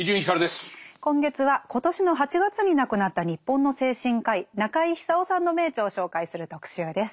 今月は今年の８月に亡くなった日本の精神科医中井久夫さんの名著を紹介する特集です。